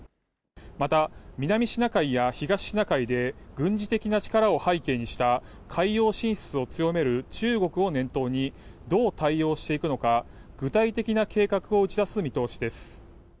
また南シナ海や東シナ海で軍事的な力を背景にした海洋進出を強める中国を念頭にどう対応していくのか具体的な計画を打ち出す見通しです。